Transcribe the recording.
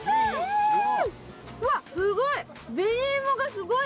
すごい！